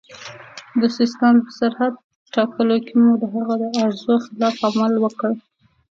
د سیستان په سرحد ټاکلو کې مو د هغه د ارزو خلاف عمل وکړ.